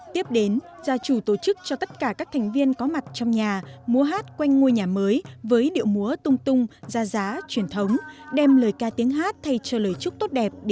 tiếp đến gia chủ tổ chức cho tất cả các thành viên có mặt trong nhà mua hát quanh ngôi nhà mới với điệu múa tung tung gia giá truyền thống đem lời ca tiếng hát thay cho lời chúc tốt đẹp đến với gia chủ